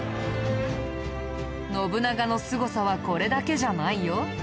信長のすごさはこれだけじゃないよ。